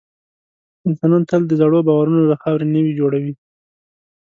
انسانان تل د زړو باورونو له خاورو نوي جوړوي.